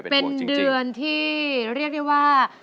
เป็นเดือนที่เรียกได้ว่า